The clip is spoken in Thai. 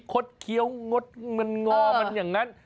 ดเคี้ยวงดมันงอมันอย่างนั้น